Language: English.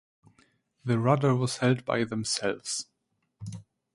The rudder was held by themselves.